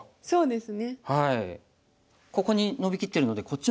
そうですね。